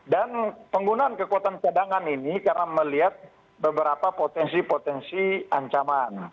dan penggunaan kekuatan cadangan ini karena melihat beberapa potensi potensi ancaman